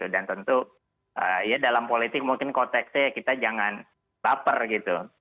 dan tentu ya dalam politik mungkin kontekstnya kita jangan laper gitu